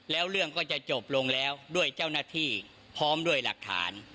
แล้วเรื่องก็จะจบลงแล้วด้วยเจ้าหน้าที่พร้อมด้วยหลักฐาน